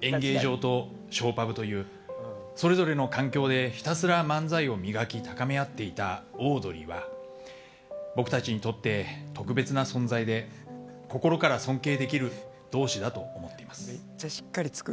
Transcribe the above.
演芸場とショーパブというそれぞれの環境でひたすら漫才を磨き高め合っていたオードリーは僕たちにとって特別な存在で心から尊敬できる同志だと思っています。